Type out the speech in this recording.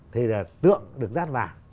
thì là tượng được rát vàng